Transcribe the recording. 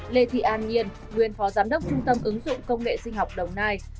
lê thị an nhiên nguyên phó giám đốc trung tâm ứng dụng công nghệ sinh học đồng nai